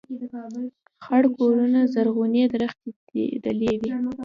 خړ کورونه زرغونې درختي دلې وې